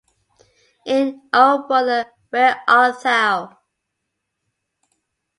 In O Brother Where Art Thou?